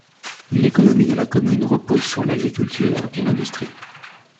L'économie de la commune repose sur l'agriculture et l'industrie.